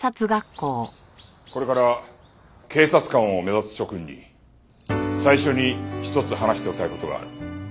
これから警察官を目指す諸君に最初に一つ話しておきたい事がある。